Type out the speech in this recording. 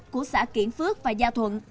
của xã kiển phước và gia thuận